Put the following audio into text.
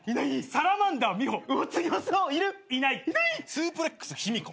スープレックスヒミコ。